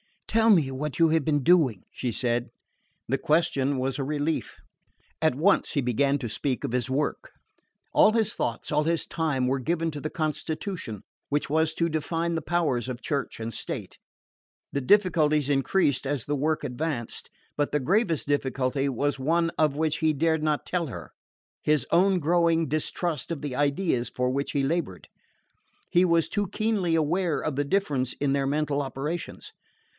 "Tell me what you have been doing," she said. The question was a relief. At once he began to separation of his work. All his thoughts, all his time, were given to the constitution which was to define the powers of Church and state. The difficulties increased as the work advanced; but the gravest difficulty was one of which he dared not tell her: his own growing distrust of the ideas for which he laboured. He was too keenly aware of the difference in their mental operations.